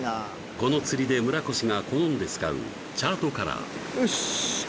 この釣りで村越が好んで使うチャートカラーよし！